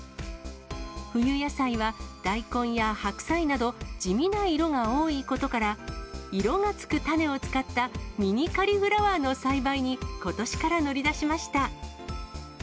冬野菜は大根や白菜など、地味な色が多いことから、色がつく種を使ったミニカリフラワーの栽培に、ことしから乗り出しました。